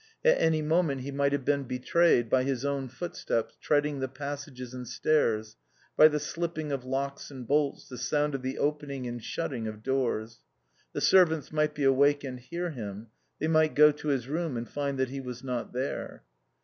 At any moment he might have been betrayed by his own footsteps treading the passages and stairs, by the slipping of locks and bolts, the sound of the opening and shutting of doors. The servants might be awake and hear him; they might go to his room and find that he was not there.